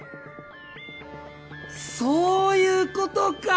そういうことか！